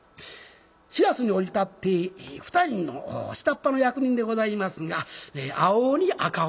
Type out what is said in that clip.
白州に降り立って２人の下っ端の役人でございますが青鬼赤鬼